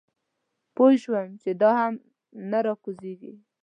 پوی شوم چې دا هم نه راکوزېږي.